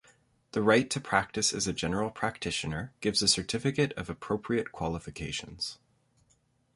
The right to practice as a general practitioner gives a certificate of appropriate qualifications.